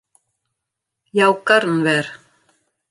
Jou karren wer.